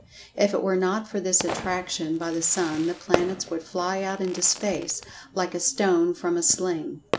If it were not for this attraction by the Sun, the planets would fly out into space, like a stone from a sling.